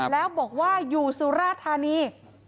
แล้วบอกว่าอยู่สุราธานี